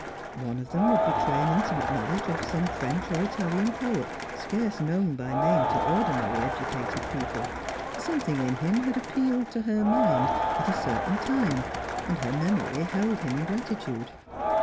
One of them would betray an intimate knowledge of some French or Italian poet scarce known by name to ordinary educated people; something in him had appealed to her mind at a certain time, and her memory held him in gratitude.